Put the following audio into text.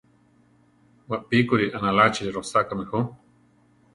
Wapíkuri aʼnaláchi rosákame jú.